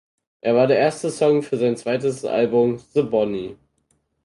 Er war der erste Song für sein zweites Album "The Bonny".